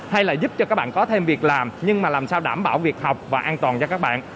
hay là giúp cho các bạn có thêm việc làm nhưng mà làm sao đảm bảo việc học và an toàn cho các bạn